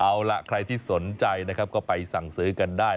เอาล่ะใครที่สนใจนะครับก็ไปสั่งซื้อกันได้